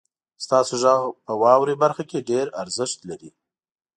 ستاسو غږ په واورئ برخه کې ډیر ارزښت لري.